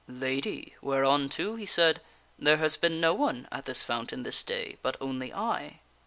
"Lady, whereunto," he said, "there has been no one at this fountain this day, but only I."